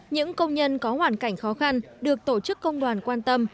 những công nhân có hoàn cảnh khó khăn được tổ chức công đoàn quan tâm